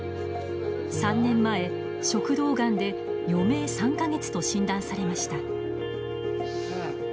３年前食道がんで余命３か月と診断されました。